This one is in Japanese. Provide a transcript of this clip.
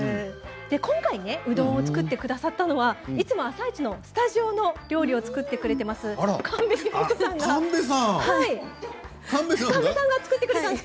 今回うどんを作ってくださったのは、いつも「あさイチ」のスタジオ用の料理を作ってくれている神戸さんです。